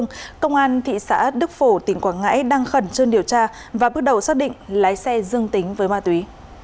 ngoại trưởng công an thị xã đức phổ tỉnh quảng ngãi đăng khẩn chơn điều tra và bước đầu xác định lái xe dương tính với ma túy